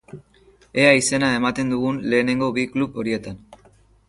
Ea izena ematen dugun lehenengo bi klub horietan.